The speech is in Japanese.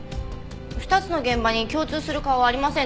２つの現場に共通する顔はありませんでしたよ。